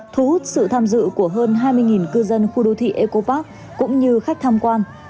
thu hút sự tham dự của hơn hai mươi cư dân khu đô thị eco park cũng như khách tham quan